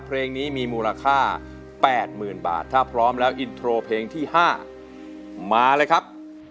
เพลงนี้มีธุรกิจมูลค่า๘๐๐๐๐บาทถ้าพร้อมแล้วภาร์มเพลงที่๕มาเลยครับ